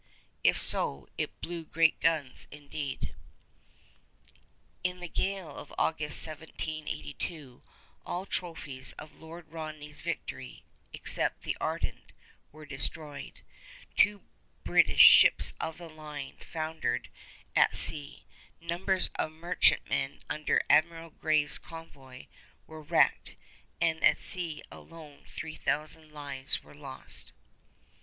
' (If so, it 'blew great guns,' indeed.) In the gale of August, 1782, all the trophies of Lord Rodney's victory, except the 'Ardent,' were destroyed, two British ships of the line foundered at sea, numbers of merchantmen under Admiral Graves' convoy were wrecked, and at sea alone three thousand lives were lost.